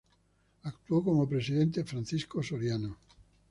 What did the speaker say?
Actuó como presidente Francisco Soriano.